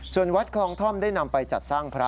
ส่วนวัดคลองท่อมได้นำไปจัดสร้างพระ